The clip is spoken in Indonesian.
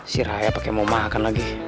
si raya pake mau makan lagi